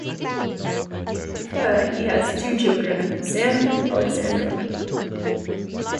With her, he has two children, Sam and Alexandra.